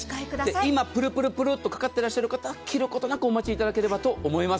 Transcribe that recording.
今プルプルプルっとかかっていらっしゃる方は切らずにお待ちいただければと思います。